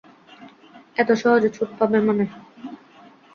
এত সহজে ছুট পাবে নানে।